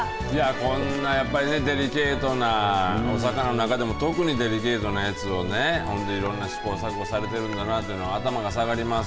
こんなやっぱりデリケートなお魚の中でも特にデリケートなやつをねこんないろんな試行錯誤されているんだなというのは頭が下がります。